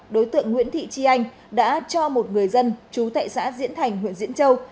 đối tượng nguyễn thị chi anh đã cho một người dân chú tại xã diễn thành huyện diễn châu